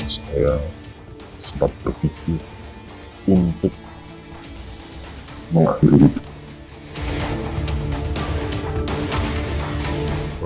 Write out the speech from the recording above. saya sempat berpikir untuk mengambil